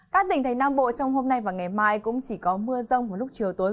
các tỉnh thành nam bộ trong hôm nay và ngày mai cũng chỉ có mưa rông vào lúc chiều tối